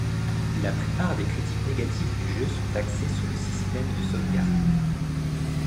La plupart des critiques négatives du jeu sont axées sur le système de sauvegarde.